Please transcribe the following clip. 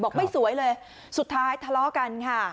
ไม่สวยเลยสุดท้ายทะเลาะกันค่ะ